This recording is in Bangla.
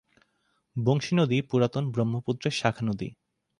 বংশী নদী পুরাতন ব্রহ্মপুত্রের শাখানদী।